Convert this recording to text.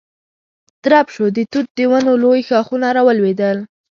درب شو، د توت د ونو لوی ښاخونه را ولوېدل.